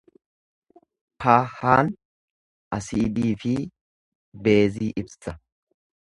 pH'n asiidii fi beezii ibsa.